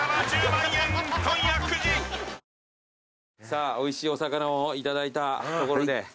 さぁおいしいお魚を頂いたところで。